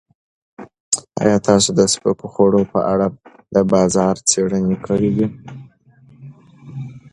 ایا تاسو د سپکو خوړو په اړه د بازار څېړنې کړې دي؟